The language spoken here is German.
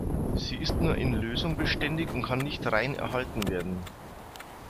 Sie ist nur in Lösung beständig und kann nicht rein erhalten werden.